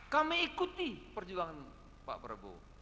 kami ikuti perjuangan pak prabowo